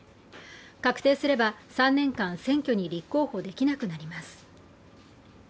確定すれば３年間、選挙に立候補できなくなります。